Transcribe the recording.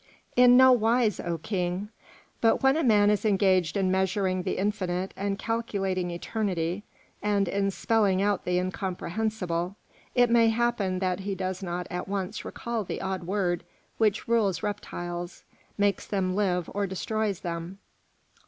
"In no wise, O King; but when a man is engaged in measuring the infinite and calculating eternity and in spelling out the incomprehensible, it may happen that he does not at once recall the odd word which rules reptiles, makes them live or destroys them.